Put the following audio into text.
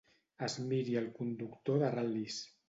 Es miri el conductor de ral·lis.